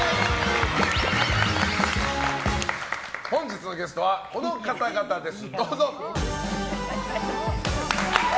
本日のゲストはこの方々です！